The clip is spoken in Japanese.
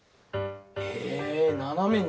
へえ斜めに。